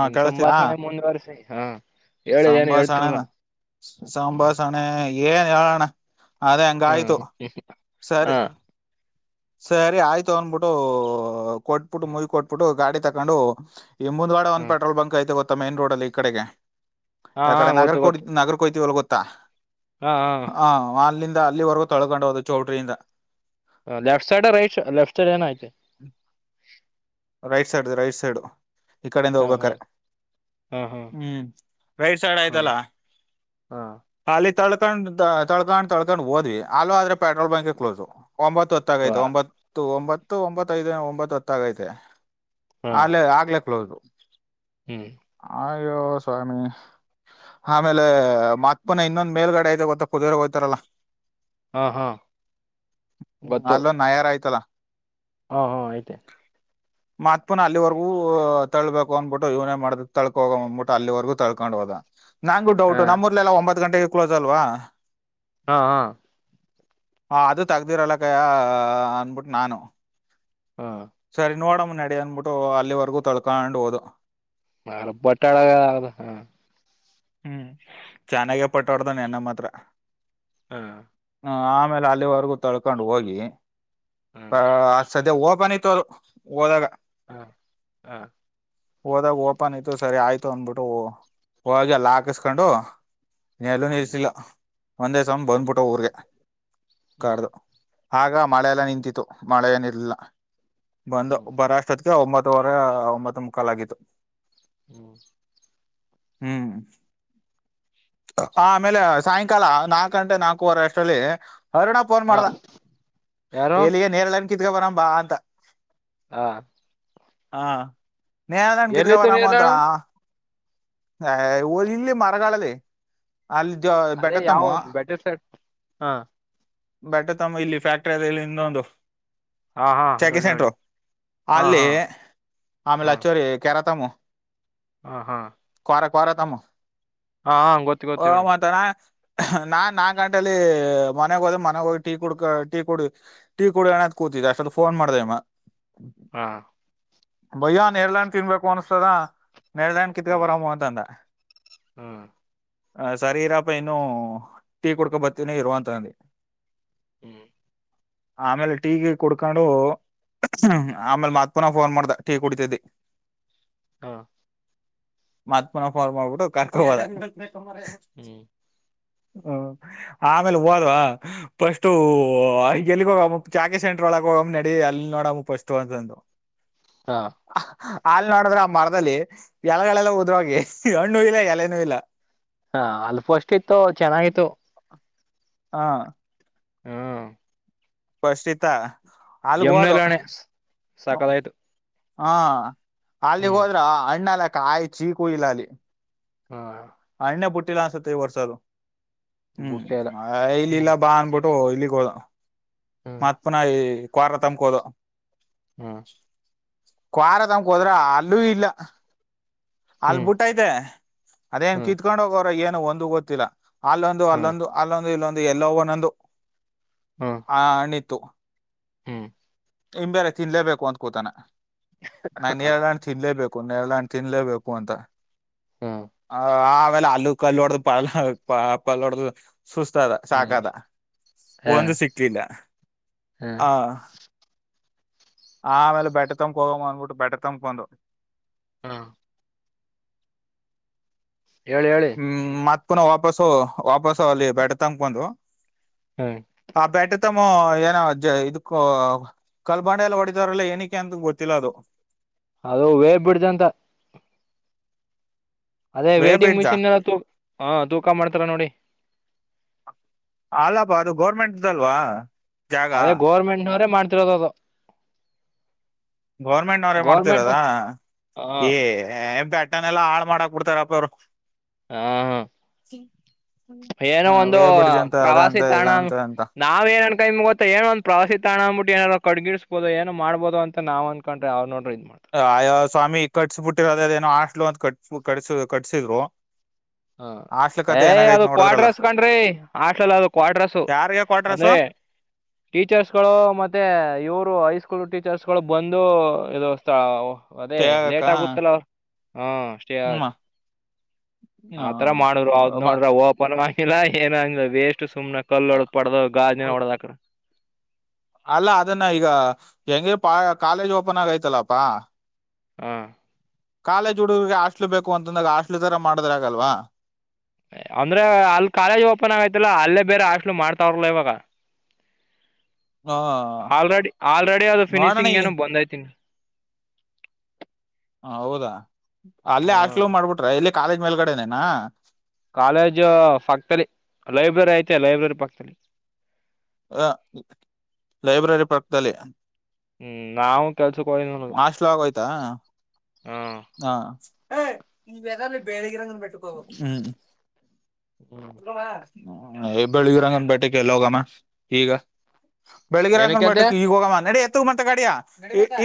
ನಿಮ್ ಸಂಭಾಷಣೆ ಮುಂದ್ ವರ್ಸಿ ಹಾ ಹೇಳಿ ಏನ್ ಸಾಂಬಾಸಣೆ ಹೇಳ್ತಿರಲ್ಲ ನ ಹ್ಮ್ ಸಾಂಬಾಸಣೆ ಏನ್ ಹೇಳಣ ಅದೇ ಹಾ ಹಂಗಾಯ್ತು ಸರಿ ಸರಿ ಆಯ್ತು ಅಂದ್ಬಿಟ್ಟು ಕೊಟ್ಬಿಟ್ಟ ಮಯ್ ಕೊಬಿಟ್ಟ ಗಾಡಿ ತ ಕಂಡ ಈ ಮುಂದ ವಡ ಹ್ಮ್ ಒನ್ೆಟ್ರೋಲ್ ಬಕ್ ಐತೆತ ಮೇನ್ ರೋಡ್ ಅಲ್ಲಿ ಈ ಕಡೆಗೆ ಹಾ ಹಾ ಎಕಡೆ ನಗರ ಗೊತ್ತು ಕೊ ಗೊತ್ತು ನಗರ ಕೊತಿ ಇವಲ ಗತ್ತ ಹಾ ಕುತ್ತಾ ಹಾ ಆನ್ಲ್ಲಿನ್ ಅಲ್ಲಿವರೆಗೂ ತೊಳ್ಕೊಂಡ ಹೋುದು ಚೌಟ್ರಿಂದ left side right left side ಏನ ಆಐತೆ ರೈಟ್ ಸೈಡ್ ರೈಟ್ ಸೈಡ್ ಈ ಕಡಿಂದ ಹಾ ಹಾ ಹೋಗ್ಬೇಕ್ರ ಹಾ ಹಾ ಹ್ಮ್ ರೈಟ್ ಸೈಡ್ ಹಾ ಆಯ್ತಲ್ಲ ಹಾ ಹಾಲ ತಳ್ಕೊಂಡ್ ತಳ್ಕೊಂಡ್ ತಳ್ಕೊಂಡ್ ಹೋದ್ವಿ ಅಲ್ ಆದ್ರೆ ಪೆಟ್ರೋಲ್ ಬಂಕ ಕ್ಲೋಸು ಒಂಬತ್ತು ಹೊತ್ತಾಗೈತು ವಾ ಒಂಬತ್ತು ಒಂಬತ್ತು ಹ ಒಂಬತ್ತೈದು ಒಂಬತ್ತು ಹತ್ತ ಆಾಗೈತೆ ಹಾ ಅಲೆೇ ಆಗ್ಲೇ ಕ್ಲೋದು ಹ್ಮ್ ಅಯ್ಯೋ ಸ್ವಾಮಿ ಆಮೇಲೆ ಮತ್ಮನ ಇನ್ನೊಂದ್ ಮೇಲ್ಗಡೆ ಐತೆ ಗೊತ್ತಾ ಕುದುರೆಗೆ ಹೋಗ್ತಾರಲ್ಲ [inaudible] ಹಾ ಹಾ ಹ್ಮ ಗೊತ್ತು ಅಲೋ ನಯಾರ ಆಯತಲ್ಲ ಹಾ ಹಾ ಐತೆ ಮತ್ ಪುನ ಅಲ್ಲಿವರ್ಗೂ ತಳ್ಬೇಕು ಅಂದ್ಬಿಟ್ಟು ಇವ್ನೇ ಮಾಡ ತಳ್ಕ ಹೋಗ ಅಂದ್ಬಿಟ್ಟು ಅಲ್ಲಿವರ್ಗೂ ತಳ್ಕೊಂಡ್ ಹೋದ ನಂಗು ಹಾ ಡೌಟ್ ನಮ್ಮೂರ್ಲೆಲ್ಲ ಒಂಬತ್ತು ಗಂಟೆಗೆ ಕ್ಲೋಸ್ ಅಲ್ವಾ ಹಾ ಹಾ ಹ ಅದು ತಗ್ದಿರಲ್ಲಕಯ ಅನ್ಬಿಟ್ಟು ನಾನು ಹಾ ಸರಿ ನೋಡ ನಡಿ ಅಂದ್ಬಿಟ್ಟು ಅಲ್ಲಿವರೆಗೂ ತೊಳ್ಕೊಂಡ್ ಹೋದು ನ ಬಟ್ಟಾಳದು ಹಾ ಹ್ಮ್ ಚೆನ್ನಾಗೇ ಪಟಾಡ್ದನ್ನೆನ್ನೆ ನ್ನ ಮಾತ್ರ ಹ್ಮ ಹ ಆಮೇಲೆ ಅಲ್ಲಿವರೆಗೂ ತಳ್ಕೊಂಡ್ ಹೋಗಿ ಹಾ ಅ ಸದ್ಯ ಓಪನ್ ಇತ್ತು ಅದು ಹೋದಾಗ ಹಾ ಹಾ ಹೋದಾಗ ಓಪನ್ ಇತ್ತು ಸರಿ ಆಯ್ತು ಅಂದಬಿಟ್ಟು ಹೋಗ್ ಈಗಲ್ಲ ಹಾಕಿಸಕೊಂಡು ಇ ಎಲ್ಲೂ ಹ್ಮ್ ಇರ್ಸಿಲ್ಲ ಒಂದೇಸ ಬಂದ್ಬಿಟ್ಟ ಊರ್ಗೆ ಹ್ಮ್ ಕಾಡ್ದು ಆಗ ಮಳೆಲ್ಲ ನಿಂತತ್ತು ಮಳೆ ನಿಲ್ಲ ಬಂದ ಹ್ಮ್ ಬರಾಷ್ಟತ್ಗೆ ಒಂಬತ್ ಒಂಬತ್ತುವರೆ ಒಂಬತ್ತ ಮುಕಾಲ್ ಆಗಿತ್ತು ಹ್ಮ ಹ್ಮ್ ಆ ಆಮೇಲೆ ಸಾಯಂಕಾಲ ನಾಲ್ಕ ಗಂಟೆ ನಾಲ್ಕುವರೆ ಅಷ್ಟರಲ್ಲಿ ಅರುಣ ಫೋನ್ ಹಾ ಮಾಡ್ದ ಯಾರು ಎಲ್ಲಿಗೆ ನೇರಲೆಣ್ ಕಿತ್ಕೋ ಬರನಾ ಬಾ ಅಂತ ಹಾ ಹಾ ನೇರಳೆ ಹಣ್ಣ ಕಿತ್ಕೊಂಡ ಬರ್ನ ನೀ ಎಲ್ಲ ಅಂತಾ ಹೋದ್ವ ಹ ಓ ಇಲ್ಲಿ ಮರಗಳಲ್ಲಿ ಅಲ್ಲಿ ಜ ಅದೇ ಯಾವ ಬೆಟತಮ್ಮ ಬೆಟರ್ ಸೈಡ್ ಹಾ ಬಟ್ಟೆ ತಮ್ಮ ಇಲ್ಲಿ ಫ್ಯಾಕ್ಟ್ರಿ ಅದೆ ಇಲ್ಲಿ ಇನ್ನೊಂದು ಹಾ ಹಾ ಚೆಕಿಂಗ್ ಹೇಳಿ ಹೇಳಿ ಸೆಂಟರು ಹಾ ಅಲ್ಲಿ ಹಾ ಆಮೇಲೆ ಹ್ಮ್ ಹಚ್ಚೋರಿ ಕ್ಯಾರ ತಮ್ಮು ಹಾ ಹಾ [unintelligible] ಹಾ ಹ ಗೊತ್ತ ಗೊತ್ತ ಹೇಳಿ ಮತ್ತ ನಾ ನಾಲ್ಕು ಗಂಟಲಿ ಮೊ ಮನೆಗ ಹೋದ ಮನಾಗ ಹೋಗಿ ಟೀ ಕುಡ ಟೀ ಕುಡಿ ಟೀ ಕುಡಕಂದ ಕೂತಿದ್ದ ಅಷ್ಟೊತ್ ಫೋನ್ ಮಾಡ್ದಮ್ಮ ಹಾ ಬಯ್ಯ ನಿರ್ಲಣ್ಣ ತಿನ್ಬೇಕು ಅನ್ಸ್ತದ ನೇರೆಳೆ ಹಣ್ಣ ಕಿತ್ಗಬರಾಮ ಅಂತ ಅಂದ ಹ್ಮ ಆ ಸರಿ ಇರಪ್ಪ ಇನ್ನು ಟೀ ಕುಡ್ಕೊ ಬರ್ತನ ಇರುವಂತ ಅಂದೆ ಹ್ಮ್ ಆಮೇಲೆ ಟೀಗೀ ಕುಡ್ಕೊಂಡು ಆಮೇಲ್ ಮತ್ ಪುನ ಫೋನ್ ಮಾಡ್ದ ಟೀ ಕುಡತಿದ್ದಿ ಹಾ ಮತ್ ಪುನಃ ಕಾಲ್ ಮಾಡಬಿಟ ಕರ್ಕೊಂಡಹೊದೇ ಹ್ಮ್ ಹ್ಮ ಆಮೇಲೆ ಹೋದವಾ ಫಸ್ಟು ಹಾ ಎಲ್ಲಿಗೆ ಹೋಗ ಚಾಕೆ ಸೆಂಟ್ರ ಒಳಗ ಹೋಗಮ್ಮ ನಡಿ ಅಲ್ಲಿ ನೋಡಮ್ಮ ಫಸ್ಟ ಅಂತಂದು ಹಾ ಹಾಲ್ ನೋಡಿದ್ರ ಆ ಮರದಲ್ಲಿ ಎಲೆಗಳೆಲ್ಲ ಉದ್ರೋಗಿ ಹಣ್ಣು ಇಲ್ಲ ಎಲೆನೂ ಇಲ್ಲ ಹಾ ಅಲ್ಪ ಫಸ್ಟ್ ಇತ್ತು ಚೆನ್ನಾಗಿತ್ತು ಹಾ ಹ್ಮ ಫಷ್ಟಿತ ಜಮನೆಲ್ಲಣ ಸಕಾಲ ಆಯ್ತು ಹಾ ಅಲ್ಲಿ ಹೋದ್ರ ಅಣ್ಣಲ್ಲ ಕಾಯಿ ಚೀಕೂ ಇಲ್ಲ ಅಲ್ಲಿ ಹ್ಮ ಅಣ್ಣ ಬುಟ್ಟೆಲ್ಲ ಅನ್ಸಿತ್ತೆ ಈ ವರ್ಷದು ಹ್ಮ್ ಬುಟ್ಟೆ ಎಲ್ಲ ಹ್ಮ್ ಇಲ್ಲಿಲ್ಲ ಬಾ ಅಂದ್ಬಿಟ್ಟು ಹೋ ಇಲ್ಲಿಗೋ ಹ್ಮ್ ಮತ್ ಪುನಃ ಈ ಕೊರ ತ್ ಕೋದು ಹ್ಮ್ ಕ್ವಾರ ತಮಕ್ ಹೋದ್ರ ಅಲ್ಲೂ ಇಲ್ಲ ಅಲ್ ಬುಟ್ಟ ಐತೆ ಅದೇನ್ ಹ್ಮ್ ಕಿತ್ಕೊಂಡ್ ಹೋಗೋರ ಏನ್ ಒಂದು ಗೊತ್ತಿಲ್ಲ ಅಲ್ಲೊಂದು ಹ್ಮ್ ಅಲ್ಲೊಂದು ಅಲ್ಲೊಂದು ಇಲ್ಲೊಂದು ದು ಎಲ್ಲ ನೊಂದು ಹ್ಮ್ ಹ್ಮ್ ಹಾ ಅನಿತು ಹ್ಮ್ ಹಂಬೇಲೆ ತಿನ್ಲೇಬೇಕು ಅಂತ್ ಕೂತಾನ ನನ್ ಹಾ ನ ತಿಲೇಬೇಕೇಕು ಕು ಎಲ್ಲ ಅಾಣ ತಿನ್ಲ್ಲೇಬೇಕು ಕುವಂತ ಹ್ಮ್ ಹ ಆೇಲೆ ಅಲ್ಲೂ ಕಲ್ಲು ಹೊಡ್ದ ಪಲ್ ಪ ಪಲ್ಲ ಹೊಡ್ದ ಸುಸ್ತ ಅದ ಹ್ಮ್ ಸಾಕ್ದ ಹಾ ಒಂದು ಸಿಕ್ಲಿಲ್ಲ ಹಾ ಆ ಆಮೇಲೆ ಬೆಟ್ಟ ತಂಬಕ್ ಹೋಗಮ್ಮ ಅಂದ್ಬಿಟ್ಟು ಬೆಟ್ಟೆ ತಂಬ ಬಂದ ಹಾ ಹೇಳಿ ಹೇಳಿ ಹ್ಮ್ ಮತ್ತ ಪನ ಅ ವಾಪಸು ವಾಪಸು ಅಲ್ಲಿ ಬಡ ತಂಗ ಬಂದು ಹ್ಮ್ ಹಾ ಬೇಟೆ ತಮ್ಮ ಏನೋ ಇದಕ್ಕ ಕಲ್ಬಂಡೆ ಎಲ್ಲ ಹೊಡಿದವ್ರಲ್ಲ ಏನಕ್ಕೆ ಅಂತ ಗೊತ್ತಿಲ್ಲ ಅದು ಅದು ವೇರ್ ಬಿಡ್್ದಂತ ಅದೇ ವೇ ವೈಟಿಂಗ್ ಬಿಡ್ಜಾ ಮಿಷೀನ್ ಎಲ್ಲ ತ ಹಾ ತೂಕ ಮಾಡ್ತಾರ ನೋಡಿ ಅಲ್ಲಪ್ಪಾ ಅದು ಗೌರ್ಮೆಂಟ್್ದಲ್ವಾ ಅದೇ ಗೌರ್ಮೆಂಟ್ ಅವರೇ ಮಾಡ್ ಮುೋಗ ಗೌರ್ಮೆಂಟ್ ಅವ್ರೇ ಮಾಡ್ತಿರದ ಹ ಈ ಬೆಟ್ಟನೆಲ್ಲ ಹಾಳ ಮಾಡಾಕ್ ಬಿಡ್ತಾರಪ್ಪ ಅವ್ರು ಹಾ ಹ ಏನೋ ಹ ಒಂದು ವೇ ಬ್ರಿಡ್ಜ್ ಅಂತ ಅದ ಪ್ರವಾಸಿ ಅಂತ ಇದ ತಾಣ ಅಂತ ಅಂತ ನಾವ್ ಏನನ್ ಕೈ ಗೊತ್ತ ಏನ ಒಂದ ಪ್ರವಾಸಿ ತಾಣ ಅ್ಬಿಟ್ಟು ಏನಾದಾರ ಕಡ್ಗಿಿಸಸ್ಬೋದು ಏನು ಮಾಡ್ಬೋ ಅಂತ ನಾವ ಅಂದನ್ಕೊಂಡ್ರ ಅವ ನೋಡ್ರಿ ಮಾಡ್ತ ಆಾ ಸ್ವಾಮಿ ಕಟ್ಸ್್ ಬಿಿಟ್ಟಿರೋದ ಏನ ಆಟ್ಲು ಅಂತ ಕಟ್ ಕಟ್ಸ ಕಟ್ಸಿದ್ರು ಹ ಹಾಸ್ಟ್ಲ್ ಕತೆ ಏಯ್ ಏನಾಗೈತ್ ಅದು ಕ್ವಾ ನೋಡದ್ರಲ್ಲ ಡ್ರಸ್ ಕಣ್ರಿ ಆಟ್ಲಲ್ಲ ಅದು ಕ್ವಾಡ್ರೆಸ್ ಯಾರಿಗೆ ಕ್ವಾಟ್ರಸು ಅಂದ್ರೆ ಟೀಚರ್ಸ್ಗಳು ಮತ್ತೆ ಇವರು ಹೈ ಸ್ಕೂ ಸ್ಕೂಲ್ ಟೀಚರ್ಸ್ಗಳು ಬಂದು ಇದು ಸ್ಥಳ ಅದೇ ತ್ಯಾಗಕ್ಕ ಲೇಟ್ ಆಗುತ್ತಲ್ಲ ಅವ ಹಾ ಸೇ ಹ್ಮ ಹ ಆತರ ಮಾಡೋರು ಅವದ್ ನೋಡ್ರ ಹ ಆಿಲ್ಲ ಏನ್ ಆಂಗಿಲ್ಲ ವೇಸ್ಟ್ ಸುಮ್ನೆ ಕಲ್ಲುಡ ಪಡ್ದ ಗಾಜಿನ ಹೊಡದಕ್ರ ಅಲ್ಲ ಅದನ್ನ ಈಗ ಹೆಂಗಿ ಪ ಕಾಲೇಜ್ ಓಪನ್ ಆಗೈತಲ್ಲಪಾ ಹಾ ಕಾಲೇಜ್ ಹುಡುಗರ್ರಿಗೆ ಹಾಸ್ಟ್ಲ್ ಬೇಕು ಅಂತಂದಾಗ ಹಾಸ್ಟ್ಲ್ ತರ ಮಾಡ್ರ ಆಗಲ್ವಾ ಅಂದ್ರೆ ಅಲ್ಲಿ ಕಾಲೇಜ್ ಓಪನ್ ಆಗೈತಿಲ್ಲ ಅಲ್ಲೇ ಬೇರೆ ಹಾಸ್ಲ್ ಮಾಡ್ತಾವ್ರಲ್ಲ ಇವಾಗ ಹಾ ಆಲ್ರೆಡಿ ಆಲ್ರೆಡಿ ಅದು ನೋಡೋಣ ಫಿನಿಶಿಂಗ್ ಈ ಏನೋ ಬಂದೈತಿ ಹ ಹೌದಾ ಅಲ್ಲೇ ಹಾಸ್ಲ ಹ್ಮ್ ಮಾಡ್ಬಿಟ್ರ ಇಲ್ಲಿ ಕಾಲೇಜ್ ಮೇಲ್ಗಡೆನೇನಾ ಕಾಲೇಜ್ ಪಕ್ತದಲ್ಲಿ ಲೈಬ್ರರಿ ಐತೆ ಲೈಬ್ರರಿ ಪಕ್ತದಲ್ಲಿ ಹ ಲೈಬ್ರರಿ ಪಕ್ಕದಲ್ಲಿ ಹ್ಮ್ ನಾವವು ಕೆಲ್ಸಕಗ ನಗೆ ಹಾಸ್ಟ್ಲು ಆಗೋಯ್ತಾ ಹಾ ಹ ಇ ವಧ ಬೇಳಗಿರಂಗ ಬೆಟ್ಟುಕೋಬೇಕ [unintelligible] ಹ್ಮ್ ಹ್ಮ ಬೆಳಿಗಿರಂಗನ್ ಬೇಟಕ್ಕೆ ಎಲ್ಲ ಹೋಗಮ್ಮ ಈಗ ಬೆಳಿಗಿರಂಗ್ ಏನಕ್ಕಂತೆ ಬಟ್ಟಕ್ಕೆ ಈಗಾಗ ಮಡಿ ತಗ ಮಟ ಗಾಡಿಯಾ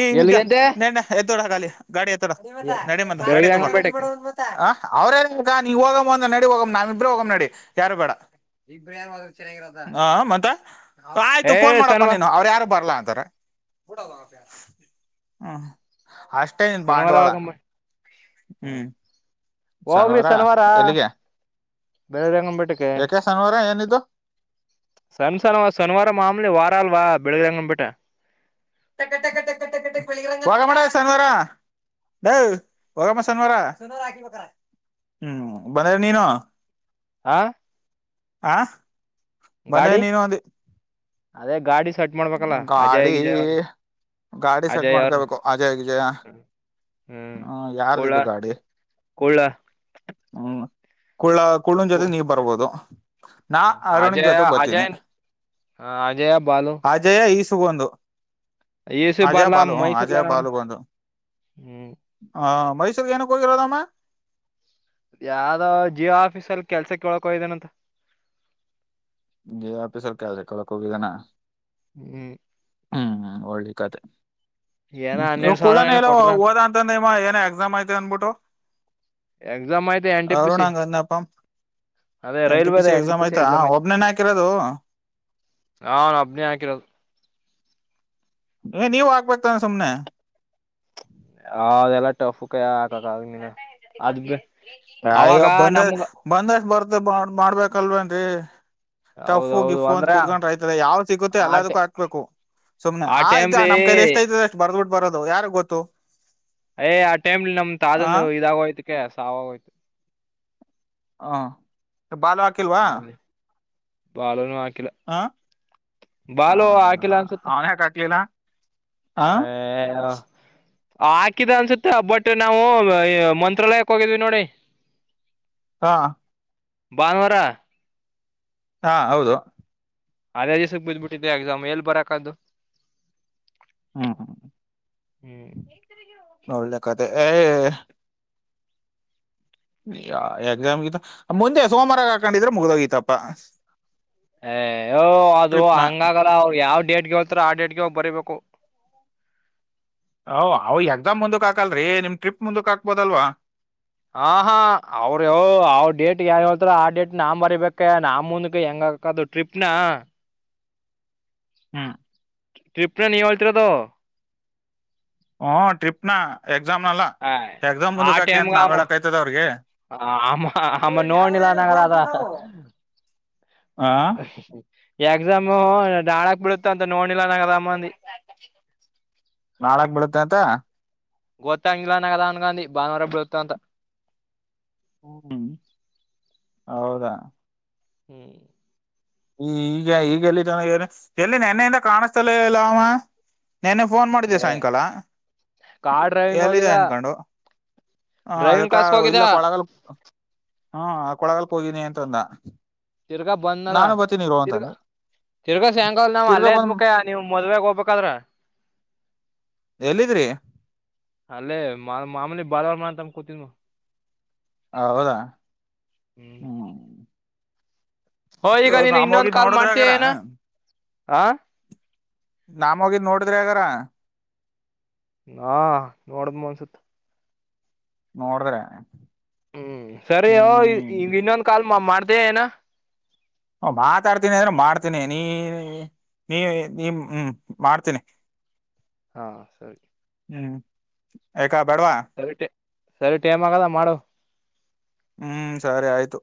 ಈಗ ಎಲ್ಲಿಗಂತೆ ನನ್ನ [unintelligible] ನಡ ಮ ಬೆಳಗ್ಗೆ ಬ ಅಂಗಂಬೇಟಕ್ಕೆ ಅವ್ರೇ ನೀ ಹೋಗ ಅಂದ ನಡಿ ಹೋಗ ನಾವ ಇಬ್ರೆ ಹೋಗಮ್ಮ್ ನಡಿ ಯಾರು ಬೇಡ ಚ ಮತ್ತ ಆಯ್ತು ಏ ಫೋನ್ ಮಾಡಪ್ಪಾ ಶನಿವಾರ ನೀನು ಅವ್ರು ಯಾರು ಬರ್ಲ್ಲ ಹ್ಮ ಅಷ್ಟೇನ್ ಬಾ ಮರಾಗಂಬ ಹ್ಮ್ ಹೋಗ್ರಿ ಶನಿವಾರ ಎಲ್ಲಿಗೆ ಬೇರೆಂಗ ಮಟ್ಟ ಯಾಕೆ ಶನಿವಾರ ಏನಿದ್ದು ಸಣ್ಣ ಸನವಾ ಸನಿವಾರ ಮಾಮಲಿ ವಾರಾಲ್ವಾ ಬೆಳಗ್ಗೆಂಗ್ಪೇಟ್ಟ [inaudible] [unintelligible] ಆ ಆ ಬಂದೆ ಗಾಡಿ ನೀನು ಅಂದಿ ಅದೇ ಗಾಡಿ ಸೆಟ್ ಮಾಡ್ಬೇಕಲ್ಲ ಅಜಯ್ ಗಾಡಿ ಗಿಜಯ್ ಅವ್ರನ್ನ ಗಾಡಿ ಸೆಟ್ ಅಜಯ್ ಅವ್ರನ್ನ ಮಾಡ್ಕೊಬೇಕು ಅಜಯಜಯ ಹ್ಮ್ ಹ್ಮ ಯಾರ್ದ ಕೋಳ ಇದು ಗಾಡಿ ಕೋಳ ಹ್ಮ್ ಕುಳ್ಳ ಕುಳ್ಳನ್ ಕೋ ಜೊತೆ ನೀವ್ ಬರ್ಬೋದು ನಾ ಅರುಣನ್ ಅಜಯ ಜೊತೆಗ್ ಬರ್ತೀನಿ ಅಜಯ ಹ ಅಜಯ ಬಾಲೋ ಸುಗಂದು ಏಸ ಬಲ ಮೈಸೂರು ಲರ ಹ್ಮ್ ಹಾ ಮೈಸೂರ್ ಗ ಏನು ಕೋ ಹೋಗಿದಾನೆ ಅಮ್ಮ ಯಾವ್ದ ಜಿಯೋ ಆಫೀಸ ಅಲ್ಲಿ ಕೆಲ್ಸ ಕೇಳಕ ಹೋಗಿದ್ದಾನಂತೆ ಜಿಯೋ ಆಫೀಸ್ ಅಲ್ಲಿ ಕೆಲಸ ಕೇಳಾಕ ಹೋಗಿದಾನ ಹ್ಮ್ ಹ್ಮ್ ಒಳ್ಳೆ ಕಥೆ ಏನ ಹ್ಮ ಇವ ಹನ್ನೆರಡ್ ಸಾವಿರ ಏನ ಕುೂಳ್ಳನೋ ಹ ಕೊಟ್ರ ಅಂತ ಓದ ಅಂತಂದಮ್ಮ ಏನ ಎಕ್ಸಾಮ್ ಐ್ತ ಅನ್ಬಿಟ್ಟು ಎಕ್ಸಾಮ್ ಆಯ್ತು ಎನ್ ಟಿ ಪಿ ಸಿ ಅವರುಣಂಗಂದಪ್ಪ N T P C exam ಐ್ತಾ ಒಬನೇನ್ ಹಾಕಿರದು ಅವನ್ ಒಬ್ನೇ ಹಾಕಿರೋದು ಏ ನೀವ ಹಾಕ್ಬೇಕತಾನ ಸುಮನೆ ಹದೆಲ್ಲ ಅಯ್ಯ ಅವಾಗ ಬಂದ ನಮ್ಗ ಬಂದಷ್ಟ ಬರ್ತ ಮಾಡ್ಬೇಕ ಅಲ್ವಾ ಏನ್ರೀ ಟಫು ಗ ಹೌದೌದು ಇಫು ಅಂತ ಅಂದ್ರ ಕೂತ್ಕೊಂಡ್ ರೈತ ಯಾವ್ ಸಿಗುತ್ತೆ ಆ ಎಲ್ಲದಕ್ಕೂ ಹಾಕ್ಬೇಕು ಸುಮನೆ ಆ ಆಯ್ತಾ ಟೈಮ್ಲಿ ನಮ್ಮ ಕೈಲ್ಲಿ ಎಷ್ಟ್ಯಐತದೆ ಅಷ್ಟ ಬರ್ದಬಿಟ್ಟು ಬರದು ಯಾರಗ್ ಗೊತ್ತು ಎ ಟೈಮ್ ನಮ್ ತಾತದು ಆ ಆದೊಂದು ಇದಾಗೋಯ್ತು ಕಸಾವಯತು ಹಾ ಬಾಲ್ವಾಕಿಲ್ವಾ ಬಾಲನು ಆಕ ಹ ಹದ ಅವನ್ ಯಕ ಹಕ್ಲಿಲ್ಲ ಆ ಹಾಕಿದ ಅನ್ಸುತ್ತ ಬಟ್ ನಾವು ಮಂತ್ರಾಲಯಕ್ಕೆ ಹೋಗಿದ್ವಿ ನೋಡಿ ಹಾ ಭಾನುವಾರ ಹಾ ಹೌದು ಅದೇ ದಿವಸಕ್ಕೆ ಬಿದ್ಬಿಟ್ಟಿದ್ದೆ ಎಕ್ಸಾಮ್ ಎಲ್ಲಿ ಬರಕದ್ದು ಹ್ಮ ಹಾ ಹ್ಮ್ ಒಳ್ಳಳ್ಳೆ ಕತೆ ಎಕ್ಸಾಮ್ಗ ಮುಂದೆ ಸೋಮವಾರ ಹಾಕೊಂಡಿದ್ರೆ ಮುಗ್ದೋಗಿತಪ್ಪ ಅದು ಓ ಅದು ನ ಹಂಗಾಗಲ್ಲ ಅವ್ರು ಯಾವ ಯಾವ ಡೇಟ್ ಗೆ ಹೇಳತಾರೋ ಅದೇ ಡೇಟ್ ಗೆ ಹೋಗಿ ಬರಿಬೇಕು ಹಓ್ ಅವ ಎಕ್ಸಾಮ್ ಮುಂದಕ್ಕೆ ಹಾಕಲ್ರರಿ ನಿಮ್ ಟ್ರಿಪ್ ಮುಂದಕ್ಕೆಕ್ ಹಾಕ್ಬೋದಲ್ವಾ ಹ ಹಾ ಅವ್ರ ಅವ್ ಡೇಟ್ ಯಏನ್ ಹೇಳ್ತಾರ ಆ ಡೇಟ್ ನಾ ಬರಿಬೇಕ ನಾಮ ಮುಂದಕ್ಕೆ ಹೆಂಗಕದು ಟ್ರಿಪ್ನ ಹ್ಮ್ ಟ್ರಿಪ್ನ ನೀ ಒಳತಿರ ತ ಹು ಟ್ರಿಪ್ ನ ಎಕ್ಸಾಮ್ ನಲ್ಲ ಹ ಎಕ್ಸಾಮ್ ಆ ಮುಂದಕ್ ಹಾಕಿ ಅಂತ ಟೈಮ್ಗೆ ನಾವ್ ಹೇಳಕ್ ಆಯ್ತದ ಅವ್ರಿಗೆ ಆಮ್ಮ ನೋಣದ ನಾಗಲ್ಲದ ಹ ಎಕ್ಸಾಮು ನಾಳಕ್ ಬಿಡುತ್ತಂತ ನಾಳಕ್ ಬಿಡುತ್ತೆ ಅಂತ ಗೋತ್ತ ಇಂಗ್ಲಾನ ಕದಾನು ಗಾಂಧಿ ಭಾನುವಾರ ಬತ್ತ ಅಂತ ಹ್ಮ್ ಹೌದಾ ಹ್ಮ್ ಹ ಈಗ ಈಗ ಎಲ್ಲಿನ ಎಲ್ಲಿ ನೆನ್ನೆಯಿಂದ ಕಾಣಸ್ತಲ್ಲ ಇಲ್ಲಾಮ ನೆನ್ನ ಫೋನ್ ಮಾಡಿದೆೆ ಏ ಸಾಯಂಕಾಲ ಕಾರ್ ಡ್ರೈವಿಂಗ್ ಎಲ್ಲಿದೆ ಹೋಗಿದ ಅನ್್ಕೊಂಡು ಹಾಂ ಡ್ರೈವಿಂಗ್ ಅದಕ್ಕೆ ಕ್ಲಾಸ್ಗೆ ಹೋಗಿದ ಇಲ್ಲ ಕೊಳಗಲ್ ಹಾಂ ಆ ಕೊಳಗಕ್ಕೆ ಹೋಗಿದ್ದನಿ ಅಂತ ೊಂದ ತಿರ್ಗಾ ಬಂದನಾರ ತಿರ್ಗ ತಿರ್ಗಾ ಸ್ಯಾಂಗಲ್ ನಾವ್ ತಿರ್ಗಾ ಅಲ್ಲೇದ್ ಬಂದ್ ಮುಖ್ಯ ನೀವ್ ಮದ್ವೆಾಗ ಹೋಗ್ಬೇಕದ್ರ ಎಲ್ಲಿದ್ರಿ ಅಲ್ಲೇ ಮಾ ಮಾಮೂಲಿ ಬಾದವಾರ ನಮ ಕತನ್ ಹ ಹೌದಾ ಹ್ಮ್ ಹೋ ಈಗ ನೀನು ನಾವ ಹೋಗಿ ಇನ್ನೊಂದ್ ಕಾಲ್ ಮಾಡ್ತೀಯ ನೋಡುದ್ರೆಗರ ಏನ ಆ ನಾಮೋಗಿ ನೋಡ ದ್ರಗರ ಹಾ ನೋಡಿದ್ಮನ್ಸುತ್ತ ನೋಡಿದ್ರೆ ಹ್ಮ್ ಸರಿ ಈ ಇನ್ನೊಂದ್ ಕಾಲ್ ಮಾಡ್ತ [unintelligible] ಹ ಮಾತಾಡ್ತೀನಿ ಅಂದ್ರೆ ಮಾಡ್ತೀನಿ ನೀ ನೀ ನೀ ಹ್ಮ್ ಮಾಡ್ತೀನಿ ಹಾ ಸರಿ ಹ್ಮ್ ಆಯ್ತ್ ಕ ಬೇಡ್ವಾ ಸರಿ ಟೆ ಸರಿ ಟೈಮ್ ಆಗದ ಮಾಡು ಹ್ಮ್ ಸರಿ ಆಯ್ತು